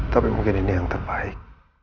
tapi mungkin ini yang terbaik